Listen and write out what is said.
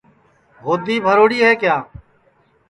ہودی بھروڑی ہے کِیا